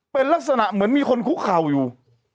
เป็นลักษณะเหมือนมีคนคุกเข่าอยู่